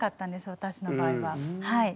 私の場合ははい。